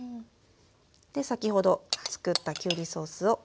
で先ほどつくったきゅうりソースをかけて下さい。